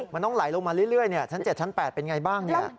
มันต้องไหลลงมาเรื่อยชั้น๗ชั้น๘เป็นไงบ้าง